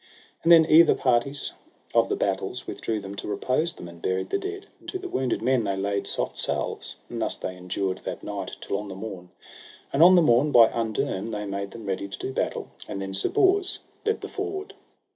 And then either parties of the battles withdrew them to repose them, and buried the dead, and to the wounded men they laid soft salves; and thus they endured that night till on the morn. And on the morn by underne they made them ready to do battle. And then Sir Bors led the forward.